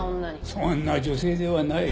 そんな女性ではない。